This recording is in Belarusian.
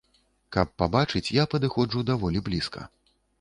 Каб пабачыць, я падыходжу даволі блізка.